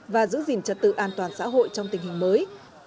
và giữ gìn trật tự an toàn xã hội trong tình hình mới